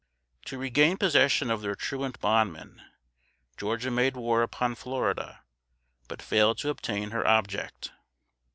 To regain possession of their truant bondmen, Georgia made war upon Florida, but failed to obtain her object.